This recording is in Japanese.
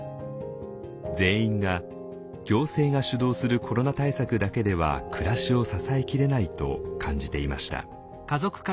全員が行政が主導するコロナ対策だけでは暮らしを支えきれないと感じていました。